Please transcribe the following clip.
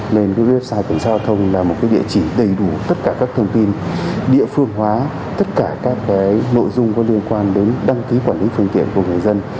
lên website cảnh sát giao thông là một địa chỉ đầy đủ tất cả các thông tin địa phương hóa tất cả các nội dung có liên quan đến đăng ký quản lý phương tiện của người dân